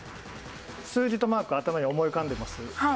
数字とマーク、頭に思い浮かんでます？